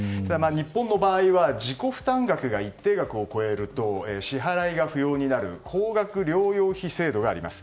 日本の場合は自己負担額が一定額を超えると支払いが不要になる高額療養費制度があります。